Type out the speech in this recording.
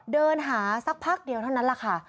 เดินหาสักพักเดียวเท่านั้นแหละค่ะ